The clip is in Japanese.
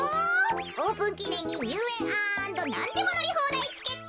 オープンきねんににゅうえんアンドなんでものりほうだいチケット